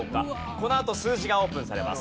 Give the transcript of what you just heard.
このあと数字がオープンされます。